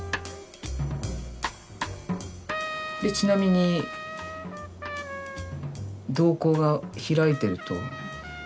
ちなみに瞳孔が開いてると。